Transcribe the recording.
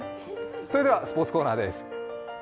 それではスポーツコーナーです。